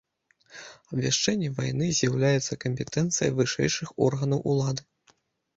Абвяшчэнне вайны з'яўляецца кампетэнцыяй вышэйшых органаў улады.